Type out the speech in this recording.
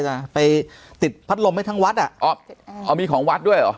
จะไปติดพัดลมให้ทั้งวัดอ่ะอ๋ออ๋อมีของวัดด้วยเหรอ